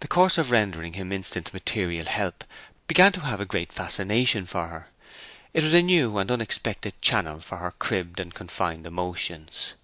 The course of rendering him instant material help began to have a great fascination for her; it was a new and unexpected channel for her cribbed and confined emotions.